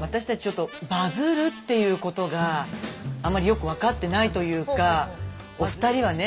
私たちちょっとバズるっていうことがあんまりよく分かってないというかお二人はね